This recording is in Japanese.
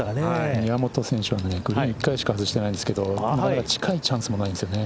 宮本選手はグリーン１回しか外してませんが近いチャンスもないんですよね。